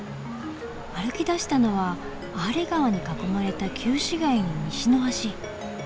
歩き出したのはアーレ川に囲まれた旧市街の西の端。